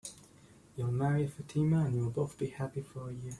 You'll marry Fatima, and you'll both be happy for a year.